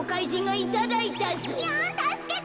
いやたすけて！